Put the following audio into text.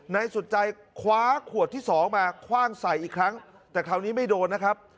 นายสุดใจคว้าขวดที่สองมาคว่างใส่อีกครั้งแต่คราวนี้ไม่โดนนะครับ